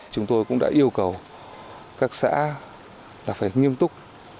chúng tôi cũng đã yêu cầu các xã là phải nghiêm túc